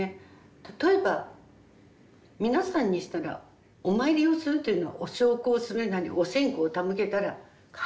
例えば皆さんにしたらお参りをするというのはお焼香するなりお線香手向けたら帰りますよね。